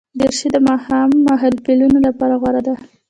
دریشي د ماښام محفلونو لپاره غوره ده.